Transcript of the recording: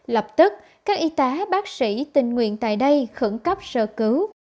lập tức các y tá bác sĩ tình nguyện tại đây khẩn cấp sơ cứu